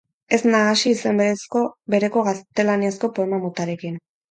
Ez nahasi izen bereko gaztelaniazko poema motarekin.